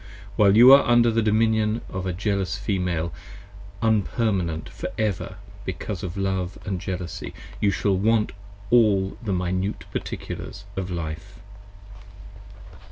While you are under the dominion of a jealous Female, Unpermanent for ever because of love & jealousy, You shall want all the Minute Particulars of Life.